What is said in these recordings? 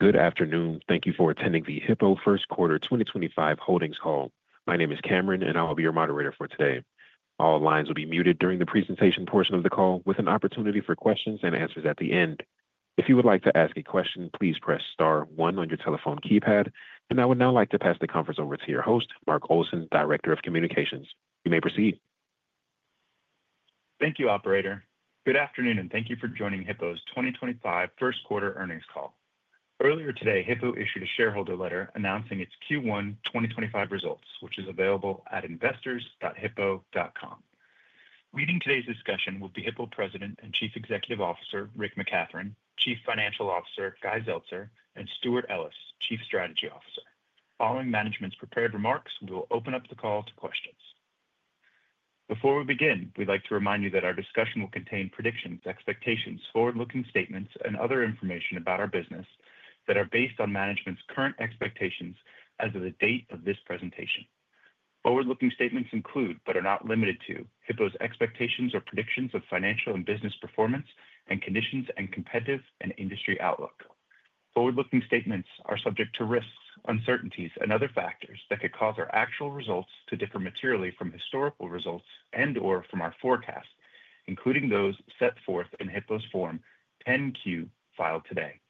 Good afternoon. Thank you for attending the Hippo first quarter 2025 holdings call. My name is Cameron, and I'll be your moderator for today. All lines will be muted during the presentation portion of the call, with an opportunity for questions-and-answers at the end. If you would like to ask a question, please press star one on your telephone keypad. I would now like to pass the conference over to your host, Mark Olson, Director of Communications. You may proceed. Thank you, Operator. Good afternoon, and thank you for joining Hippo's 2025 first quarter earnings call. Earlier today, Hippo issued a shareholder letter announcing its Q1 2025 results, which is available at investors.hippo.com. Leading today's discussion will be Hippo President and Chief Executive Officer Rick McCathron, Chief Financial Officer Guy Zeltser, and Stewart Ellis, Chief Strategy Officer. Following management's prepared remarks, we will open up the call to questions. Before we begin, we'd like to remind you that our discussion will contain predictions, expectations, forward-looking statements, and other information about our business that are based on management's current expectations as of the date of this presentation. Forward-looking statements include, but are not limited to, Hippo's expectations or predictions of financial and business performance and conditions and competitive and industry outlook. Forward-looking statements are subject to risks, uncertainties, and other factors that could cause our actual results to differ materially from historical results and/or from our forecast, including those set forth in Hippo's Form 10Q filed today.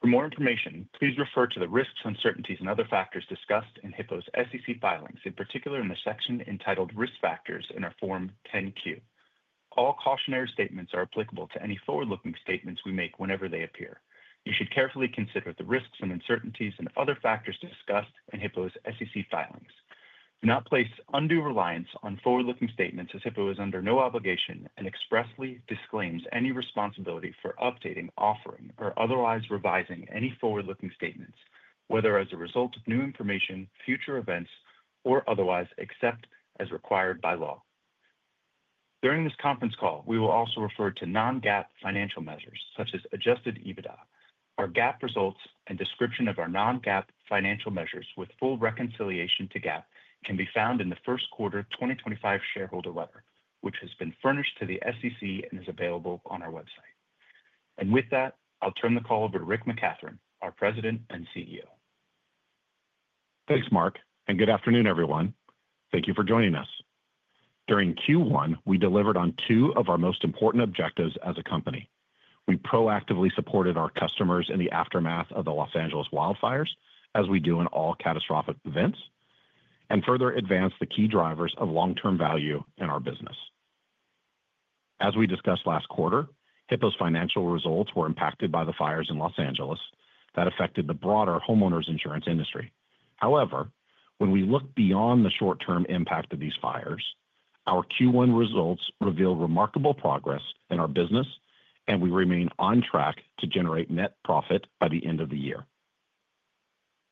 For more information, please refer to the risks, uncertainties, and other factors discussed in Hippo's SEC filings, in particular in the section entitled Risk Factors in our Form 10Q. All cautionary statements are applicable to any forward-looking statements we make whenever they appear. You should carefully consider the risks and uncertainties and other factors discussed in Hippo's SEC filings. Do not place undue reliance on forward-looking statements, as Hippo is under no obligation and expressly disclaims any responsibility for updating, offering, or otherwise revising any forward-looking statements, whether as a result of new information, future events, or otherwise except as required by law. During this conference call, we will also refer to non-GAAP financial measures, such as adjusted EBITDA. Our GAAP results and description of our non-GAAP financial measures with full reconciliation to GAAP can be found in the First Quarter 2025 Shareholder Letter, which has been furnished to the SEC and is available on our website. With that, I'll turn the call over to Rick McCathron, our President and CEO. Thanks, Mark, and good afternoon, everyone. Thank you for joining us. During Q1, we delivered on two of our most important objectives as a company. We proactively supported our customers in the aftermath of the Los Angeles wildfires, as we do in all catastrophic events, and further advanced the key drivers of long-term value in our business. As we discussed last quarter, Hippo's financial results were impacted by the fires in Los Angeles that affected the broader homeowners insurance industry. However, when we look beyond the short-term impact of these fires, our Q1 results reveal remarkable progress in our business, and we remain on track to generate net profit by the end of the year.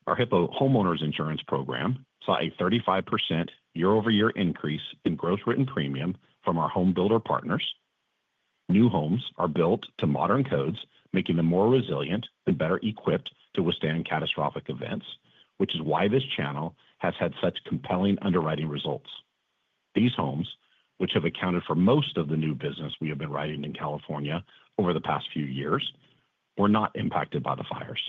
Our Hippo homeowners insurance program saw a 35% year-over-year increase in gross written premium from our home builder partners. New homes are built to modern codes, making them more resilient and better equipped to withstand catastrophic events, which is why this channel has had such compelling underwriting results. These homes, which have accounted for most of the new business we have been writing in California over the past few years, were not impacted by the fires.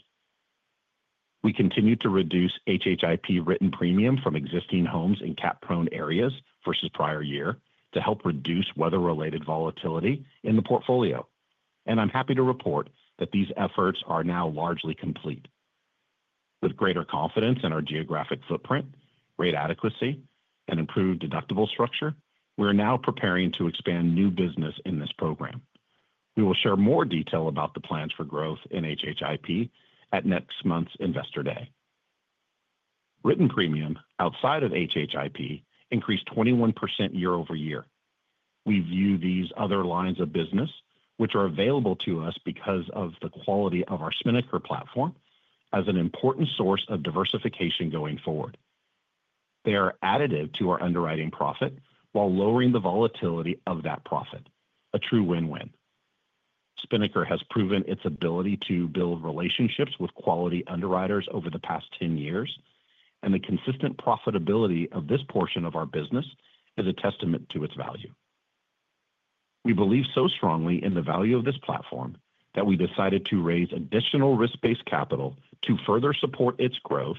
We continue to reduce HHIP written premium from existing homes in cap-prone areas versus prior year to help reduce weather-related volatility in the portfolio. I'm happy to report that these efforts are now largely complete. With greater confidence in our geographic footprint, rate adequacy, and improved deductible structure, we are now preparing to expand new business in this program. We will share more detail about the plans for growth in HHIP at next month's Investor Day. Written premium outside of HHIP increased 21% year-over-year. We view these other lines of business, which are available to us because of the quality of our Spinnaker platform, as an important source of diversification going forward. They are additive to our underwriting profit while lowering the volatility of that profit, a true win-win. Spinnaker has proven its ability to build relationships with quality underwriters over the past 10 years, and the consistent profitability of this portion of our business is a testament to its value. We believe so strongly in the value of this platform that we decided to raise additional risk-based capital to further support its growth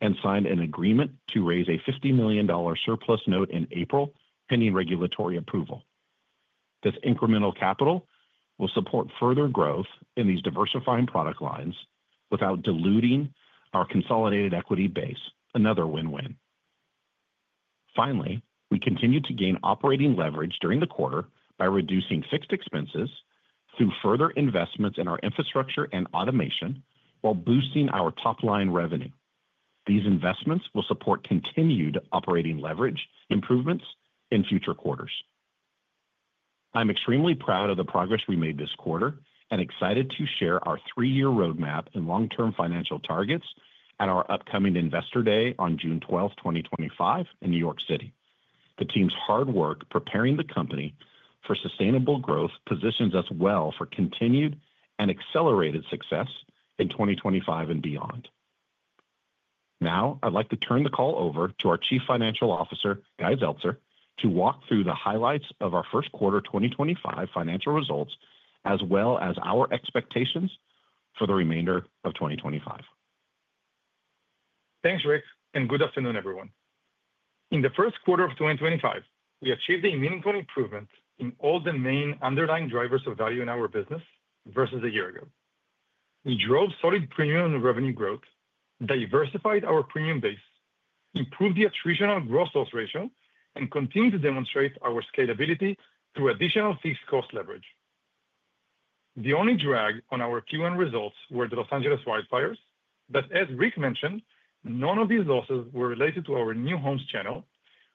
and signed an agreement to raise a $50 million surplus note in April, pending regulatory approval. This incremental capital will support further growth in these diversifying product lines without diluting our consolidated equity base, another win-win. Finally, we continue to gain operating leverage during the quarter by reducing fixed expenses through further investments in our infrastructure and automation while boosting our top-line revenue. These investments will support continued operating leverage improvements in future quarters. I'm extremely proud of the progress we made this quarter and excited to share our three-year roadmap and long-term financial targets at our upcoming Investor Day on June 12, 2025, in New York City. The team's hard work preparing the company for sustainable growth positions us well for continued and accelerated success in 2025 and beyond. Now, I'd like to turn the call over to our Chief Financial Officer, Guy Zeltser, to walk through the highlights of our First Quarter 2025 financial results, as well as our expectations for the remainder of 2025. Thanks, Rick, and good afternoon, everyone. In the first quarter of 2025, we achieved a meaningful improvement in all the main underlying drivers of value in our business versus a year ago. We drove solid premium and revenue growth, diversified our premium base, improved the attritional gross loss ratio, and continued to demonstrate our scalability through additional fixed cost leverage. The only drag on our Q1 results were the Los Angeles wildfires, but as Rick mentioned, none of these losses were related to our new homes channel,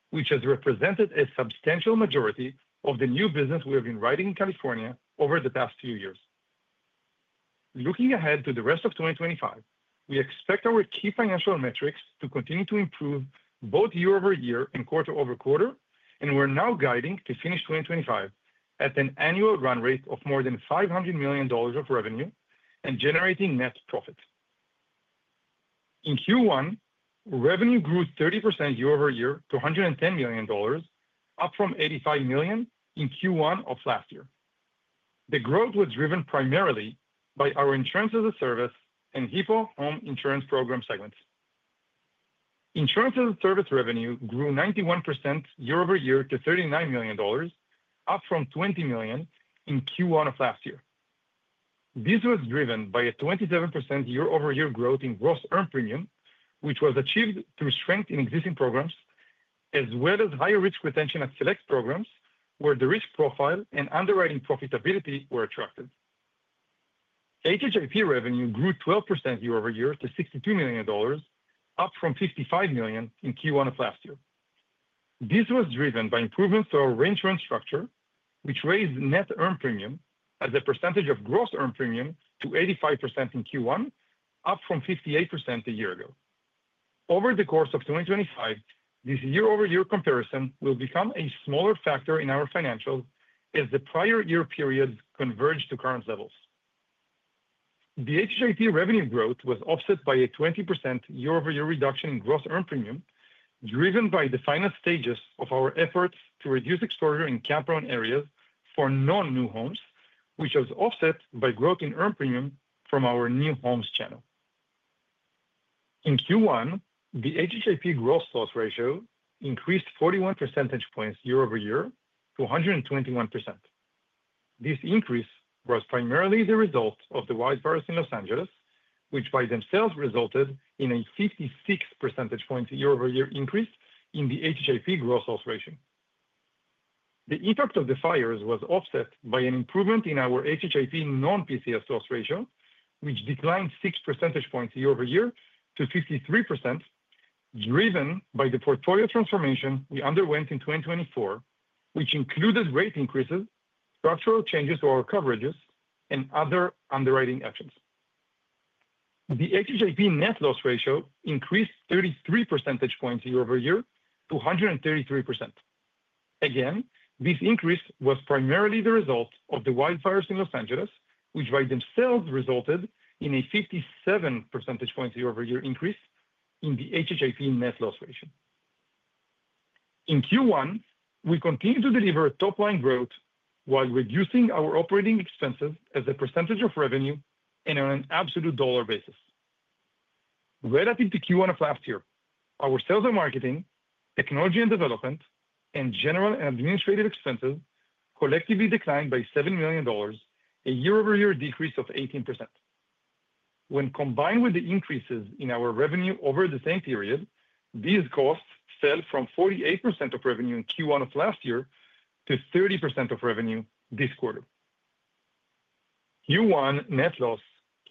which has represented a substantial majority of the new business we have been writing in California over the past few years. Looking ahead to the rest of 2025, we expect our key financial metrics to continue to improve both year-over-year and quarter-over-quarter, and we're now guiding to finish 2025 at an annual run rate of more than $500 million of revenue and generating net profit. In Q1, revenue grew 30% year-over-year to $110 million, up from $85 million in Q1 of last year. The growth was driven primarily by our insurance-as-a-service and Hippo Home Insurance Program segments. Insurance-as-a-service revenue grew 91% year-over-year to $39 million, up from $20 million in Q1 of last year. This was driven by a 27% year-over-year growth in gross earned premium, which was achieved through strength in existing programs, as well as higher risk retention at select programs where the risk profile and underwriting profitability were attractive. HHIP revenue grew 12% year-over-year to $62 million, up from $55 million in Q1 of last year. This was driven by improvements to our reinsurance structure, which raised net earned premium as a percentage of gross earned premium to 85% in Q1, up from 58% a year ago. Over the course of 2025, this year-over-year comparison will become a smaller factor in our financials as the prior year periods converge to current levels. The HHIP revenue growth was offset by a 20% year-over-year reduction in gross earned premium, driven by the final stages of our efforts to reduce exposure in cap-prone areas for non-new homes, which was offset by growth in earned premium from our new homes channel. In Q1, the HHIP gross loss ratio increased 41 percentage points year-over-year to 121%. This increase was primarily the result of the wildfires in Los Angeles, which by themselves resulted in a 56 percentage points year-over-year increase in the HHIP gross loss ratio. The impact of the fires was offset by an improvement in our HHIP non-PCS loss ratio, which declined 6 percentage points year-over-year to 53%, driven by the portfolio transformation we underwent in 2024, which included rate increases, structural changes to our coverages, and other underwriting actions. The HHIP net loss ratio increased 33 percentage points year-over-year to 133%. Again, this increase was primarily the result of the wildfires in Los Angeles, which by themselves resulted in a 57 percentage points year-over-year increase in the HHIP net loss ratio. In Q1, we continued to deliver top-line growth while reducing our operating expenses as a percentage of revenue and on an absolute dollar basis. Relative to Q1 of last year, our sales and marketing, technology and development, and general and administrative expenses collectively declined by $7 million, a year-over-year decrease of 18%. When combined with the increases in our revenue over the same period, these costs fell from 48% of revenue in Q1 of last year to 30% of revenue this quarter. Q1 net loss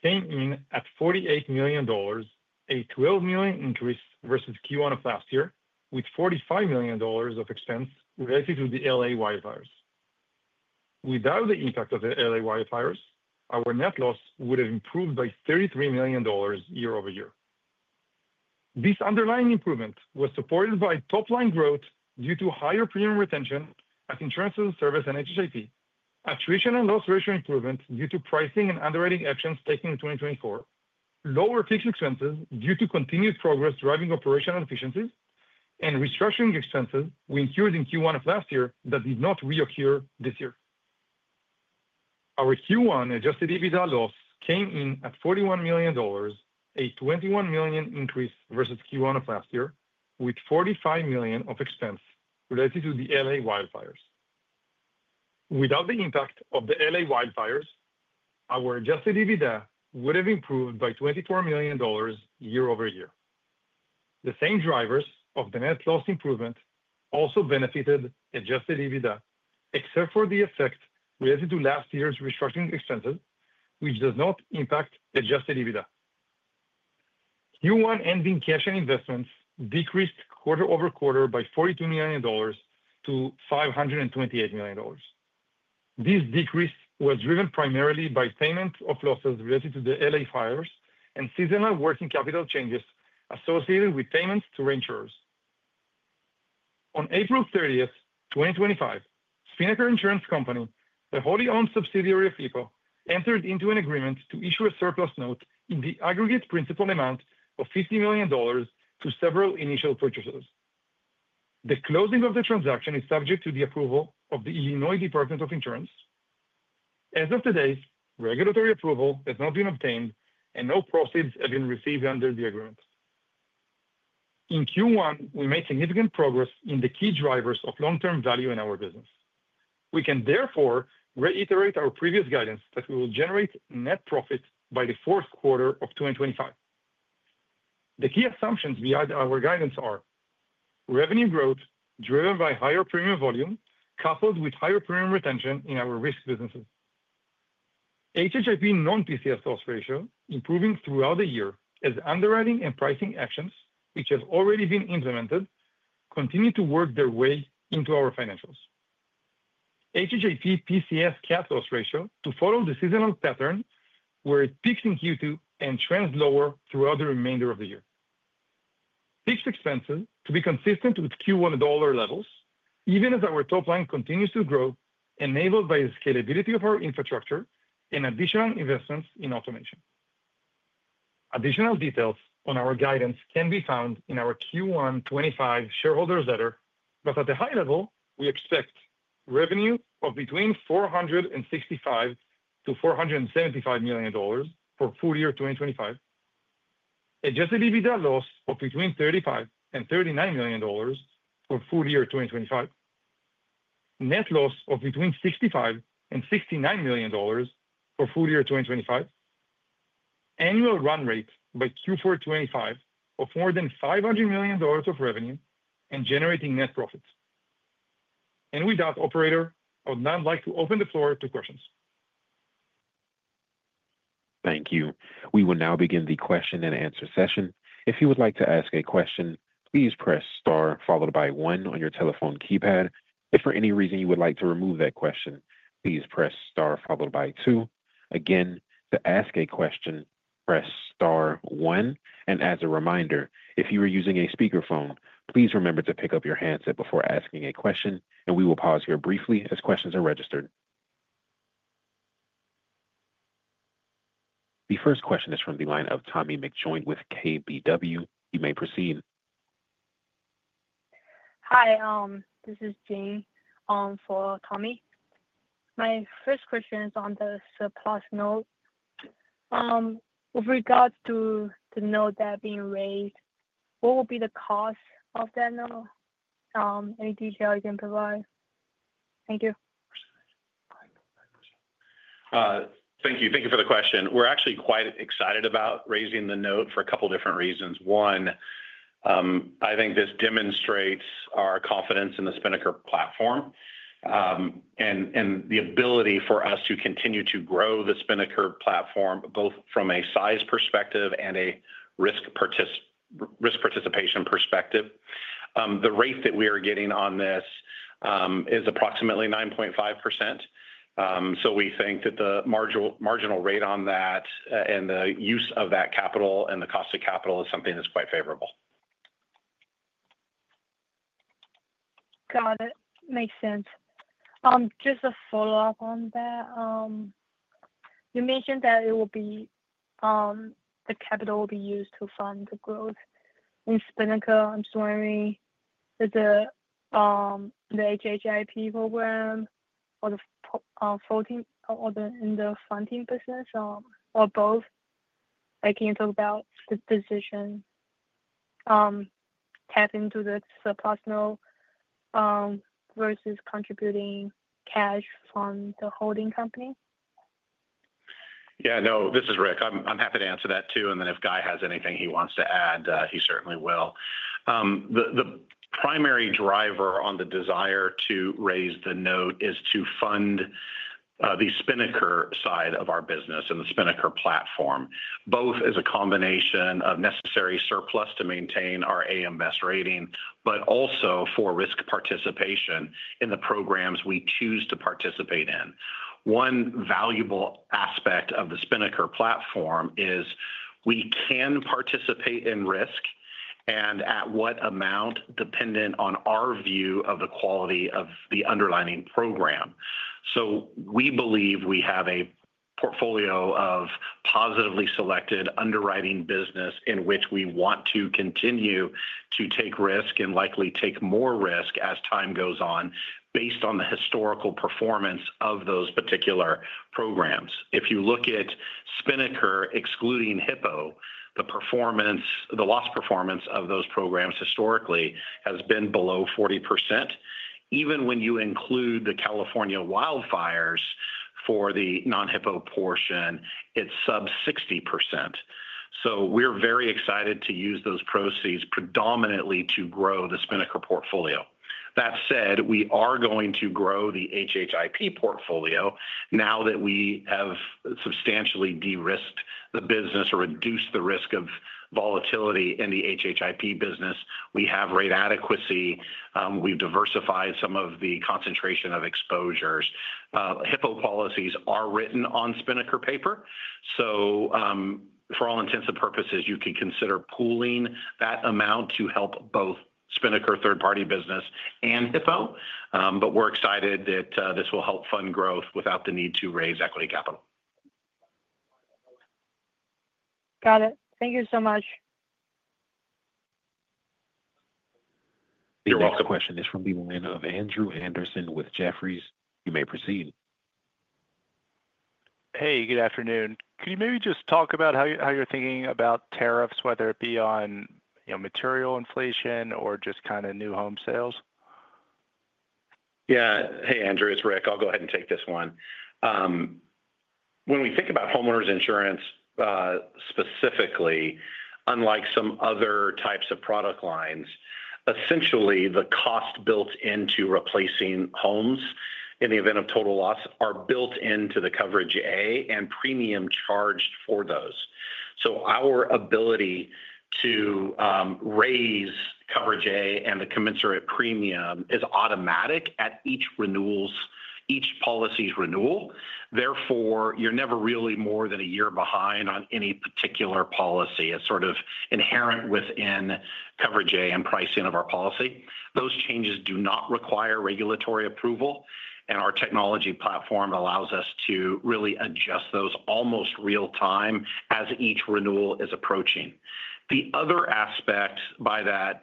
came in at $48 million, a $12 million increase versus Q1 of last year, with $45 million of expense related to the LA wildfires. Without the impact of the LA wildfires, our net loss would have improved by $33 million year-over-year. This underlying improvement was supported by top-line growth due to higher premium retention at insurance-as-a-service and HHIP, attrition and loss ratio improvement due to pricing and underwriting actions taken in 2024, lower fixed expenses due to continued progress driving operational efficiencies, and restructuring expenses we incurred in Q1 of last year that did not reoccur this year. Our Q1 adjusted EBITDA loss came in at $41 million, a $21 million increase versus Q1 of last year, with $45 million of expense related to the LA wildfires. Without the impact of the LA wildfires, our adjusted EBITDA would have improved by $24 million year-over-year. The same drivers of the net loss improvement also benefited adjusted EBITDA, except for the effect related to last year's restructuring expenses, which does not impact adjusted EBITDA. Q1 ending cash and investments decreased quarter-over-quarter by $42 million to $528 million. This decrease was driven primarily by payment of losses related to the LA fires and seasonal working capital changes associated with payments to reinsurers. On April 30th, 2025, Spinnaker Insurance Company, the wholly-owned subsidiary of Hippo, entered into an agreement to issue a surplus note in the aggregate principal amount of $50 million to several initial purchasers. The closing of the transaction is subject to the approval of the Illinois Department of Insurance. As of today, regulatory approval has not been obtained, and no proceeds have been received under the agreement. In Q1, we made significant progress in the key drivers of long-term value in our business. We can therefore reiterate our previous guidance that we will generate net profit by the fourth quarter of 2025. The key assumptions behind our guidance are revenue growth driven by higher premium volume coupled with higher premium retention in our risk businesses. HHIP non-PCS loss ratio, improving throughout the year as underwriting and pricing actions, which have already been implemented, continue to work their way into our financials. HHIP PCS cap loss ratio to follow the seasonal pattern where it peaks in Q2 and trends lower throughout the remainder of the year. Fixed expenses to be consistent with Q1 dollar levels, even as our top line continues to grow, enabled by the scalability of our infrastructure and additional investments in automation. Additional details on our guidance can be found in our Q1 2025 shareholders' letter, but at a high level, we expect revenue of between $465 million-$475 million for full year 2025, adjusted EBITDA loss of between $35 million-$39 million for full year 2025, net loss of between $65 million-$69 million for full year 2025, annual run rate by Q4 2025 of more than $500 million of revenue and generating net profit. Operator, I would now like to open the floor to questions. Thank you. We will now begin the question-and-answer session. If you would like to ask a question, please press star followed by one on your telephone keypad. If for any reason you would like to remove that question, please press star followed by two. Again, to ask a question, press star one. As a reminder, if you are using a speakerphone, please remember to pick up your handset before asking a question, and we will pause here briefly as questions are registered. The first question is from the line of Tommy McJoynt with KBW. You may proceed. Hi, this is Jean for Tommy. My first question is on the surplus note. With regards to the note that's being raised, what will be the cost of that note? Any detail you can provide? Thank you. Thank you. Thank you for the question. We're actually quite excited about raising the note for a couple of different reasons. One, I think this demonstrates our confidence in the Spinnaker platform and the ability for us to continue to grow the Spinnaker platform, both from a size perspective and a risk participation perspective. The rate that we are getting on this is approximately 9.5%. We think that the marginal rate on that and the use of that capital and the cost of capital is something that's quite favorable. Got it. Makes sense. Just a follow-up on that. You mentioned that it will be the capital will be used to fund the growth in Spinnaker. I'm just wondering, is the HHIP program or the funding business or both? Can you talk about the decision tapping into the surplus note versus contributing cash from the holding company? Yeah, no, this is Rick. I'm happy to answer that too. If Guy has anything he wants to add, he certainly will. The primary driver on the desire to raise the note is to fund the Spinnaker side of our business and the Spinnaker platform, both as a combination of necessary surplus to maintain our AMS rating, but also for risk participation in the programs we choose to participate in. One valuable aspect of the Spinnaker platform is we can participate in risk and at what amount, dependent on our view of the quality of the underlying program. We believe we have a portfolio of positively selected underwriting business in which we want to continue to take risk and likely take more risk as time goes on based on the historical performance of those particular programs. If you look at Spinnaker excluding Hippo, the loss performance of those programs historically has been below 40%. Even when you include the California wildfires for the non-Hippo portion, it's sub 60%. We are very excited to use those proceeds predominantly to grow the Spinnaker portfolio. That said, we are going to grow the HHIP portfolio now that we have substantially de-risked the business or reduced the risk of volatility in the HHIP business. We have rate adequacy. We have diversified some of the concentration of exposures. Hippo policies are written on Spinnaker paper. For all intents and purposes, you could consider pooling that amount to help both Spinnaker third-party business and Hippo. We are excited that this will help fund growth without the need to raise equity capital. Got it. Thank you so much. Your question is from the line of Andrew Andersen with Jefferies. You may proceed. Hey, good afternoon. Could you maybe just talk about how you're thinking about tariffs, whether it be on material inflation or just kind of new home sales? Yeah. Hey, Andrew, it's Rick. I'll go ahead and take this one. When we think about homeowners insurance specifically, unlike some other types of product lines, essentially the cost built into replacing homes in the event of total loss are built into the coverage A and premium charged for those. Our ability to raise coverage A and the commensurate premium is automatic at each policy's renewal. Therefore, you're never really more than a year behind on any particular policy. It's sort of inherent within coverage A and pricing of our policy. Those changes do not require regulatory approval, and our technology platform allows us to really adjust those almost real-time as each renewal is approaching. The other aspect by that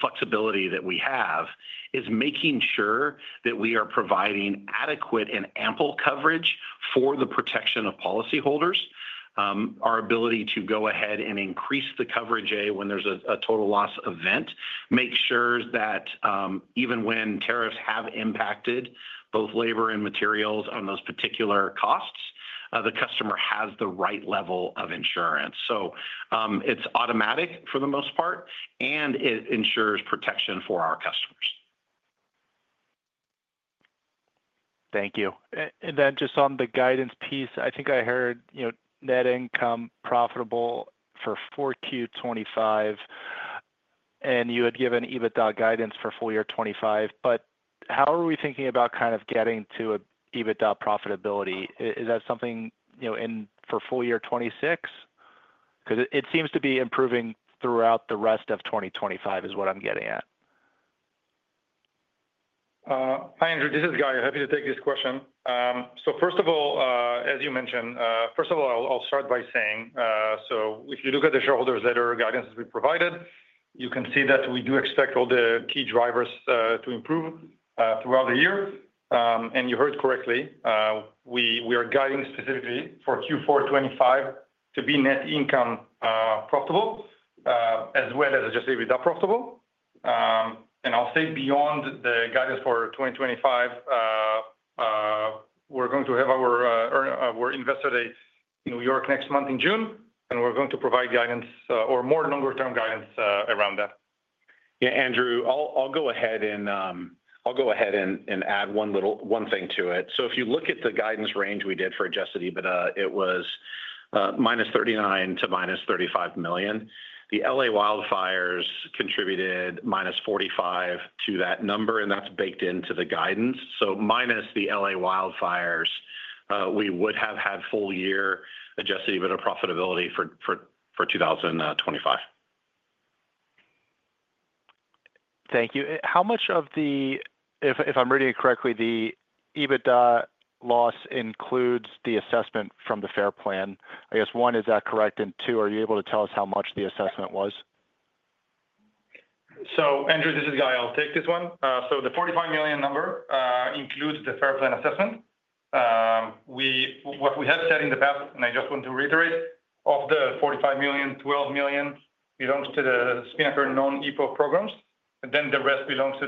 flexibility that we have is making sure that we are providing adequate and ample coverage for the protection of policyholders. Our ability to go ahead and increase the coverage A when there's a total loss event makes sure that even when tariffs have impacted both labor and materials on those particular costs, the customer has the right level of insurance. It is automatic for the most part, and it ensures protection for our customers. Thank you. And then just on the guidance piece, I think I heard net income profitable for Q2 2025, and you had given EBITDA guidance for full year 2025. But how are we thinking about kind of getting to EBITDA profitability? Is that something for full year 2026? Because it seems to be improving throughout the rest of 2025 is what I'm getting at. Hi, Andrew. This is Guy. Happy to take this question. First of all, as you mentioned, I'll start by saying, if you look at the shareholders' letter guidance that we provided, you can see that we do expect all the key drivers to improve throughout the year. You heard correctly, we are guiding specifically for Q4 2025 to be net income profitable, as well as adjusted EBITDA profitable. I'll say beyond the guidance for 2025, we're going to have our investor day in New York next month in June, and we're going to provide guidance or more longer-term guidance around that. Yeah, Andrew, I'll go ahead and add one thing to it. If you look at the guidance range we did for adjusted EBITDA, it was -$39 million to -$35 million. The LA wildfires contributed -$45 million to that number, and that's baked into the guidance. Minus the LA wildfires, we would have had full year adjusted EBITDA profitability for 2025. Thank you. How much of the, if I'm reading it correctly, the EBITDA loss includes the assessment from the fair plan? I guess one, is that correct? Two, are you able to tell us how much the assessment was? Andrew, this is Guy. I'll take this one. The $45 million number includes the fair plan assessment. What we have said in the past, and I just want to reiterate, of the $45 million, $12 million belongs to the Spinnaker non-Hippo programs, and then the rest belongs to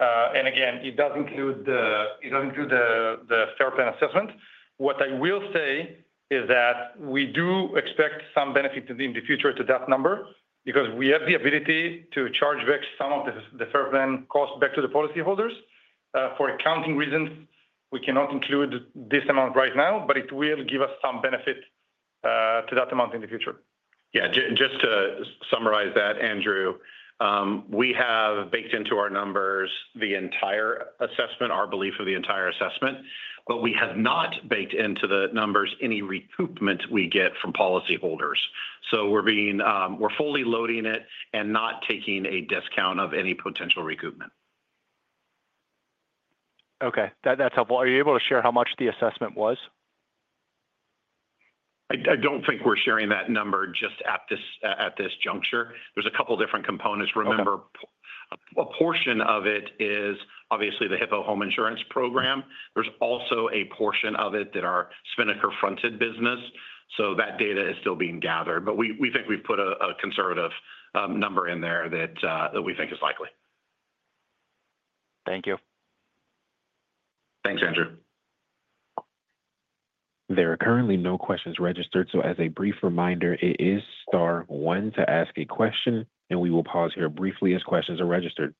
Hippo. It does include the fair plan assessment. What I will say is that we do expect some benefit in the future to that number because we have the ability to charge back some of the fair plan cost back to the policyholders. For accounting reasons, we cannot include this amount right now, but it will give us some benefit to that amount in the future. Yeah. Just to summarize that, Andrew, we have baked into our numbers the entire assessment, our belief of the entire assessment, but we have not baked into the numbers any recoupment we get from policyholders. We are fully loading it and not taking a discount of any potential recoupment. Okay. That's helpful. Are you able to share how much the assessment was? I don't think we're sharing that number just at this juncture. There's a couple of different components. Remember, a portion of it is obviously the Hippo Home Insurance Program. There's also a portion of it that are Spinnaker-fronted business. That data is still being gathered. We think we've put a conservative number in there that we think is likely. Thank you. Thanks, Andrew. There are currently no questions registered. As a brief reminder, it is star one to ask a question, and we will pause here briefly as questions are registered.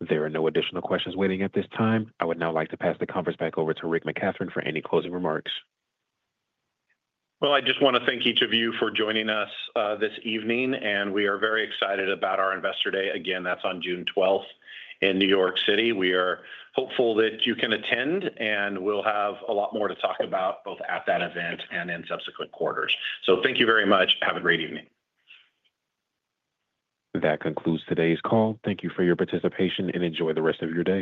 There are no additional questions waiting at this time. I would now like to pass the conference back over to Rick McCathron for any closing remarks. I just want to thank each of you for joining us this evening, and we are very excited about our investor day. Again, that's on June 12 in New York City. We are hopeful that you can attend, and we'll have a lot more to talk about both at that event and in subsequent quarters. Thank you very much. Have a great evening. That concludes today's call. Thank you for your participation and enjoy the rest of your day.